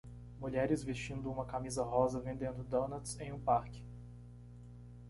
mulheres vestindo uma camisa rosa vendendo donuts em um parque.